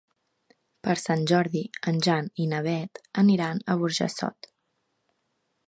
Per Sant Jordi en Jan i na Beth aniran a Burjassot.